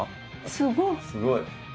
すごい！